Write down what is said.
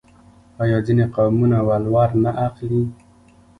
آیا ځینې قومونه ولور نه اخلي؟